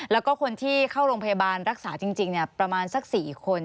แล้วก็คนที่เข้าโรงพยาบาลรักษาจริงประมาณสัก๔คน